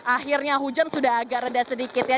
akhirnya hujan sudah agak rendah sedikit ya